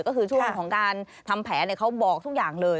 ก็คือช่วงของการทำแผนเขาบอกทุกอย่างเลย